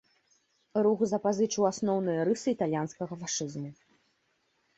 Рух запазычыў асноўныя рысы італьянскага фашызму.